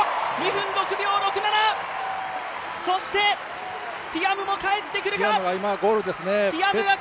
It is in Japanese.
２分６秒６７、そしてティアムも帰ってくるか。